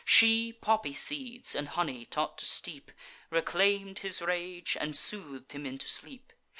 She poppy seeds in honey taught to steep, Reclaim'd his rage, and sooth'd him into sleep.